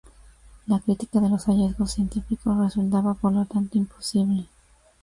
La crítica de los hallazgos científicos resultaba por lo tanto imposible.